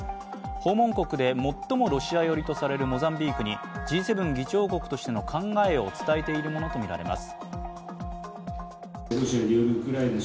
訪問国で最もロシア寄りとされるモザンビークにＧ７議長国としての考えを伝えているものとみられます。